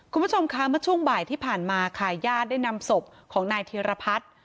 คุณผู้ชมคะเมื่อช่วงบ่ายที่ผ่านมาค่ะญาติได้นำศพของนายธีรพัฒน์